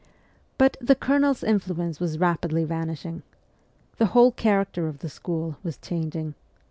But the Colonel's influence was rapidly vanishing. The whole character of the school was changing.